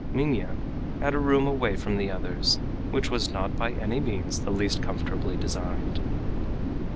Minha had a room away from the others, which was not by any means the least comfortably designed.